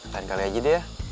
lain kali aja deh ya